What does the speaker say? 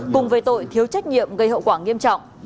cùng với tội thiếu trách nhiệm gây hậu quả nghiêm trọng